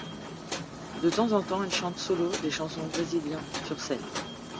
De temps en temps elle chante solo des chansons brésiliens sur scène.